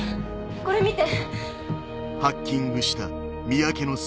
これ見て！